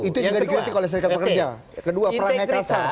itu juga dikritik oleh serikat pekerja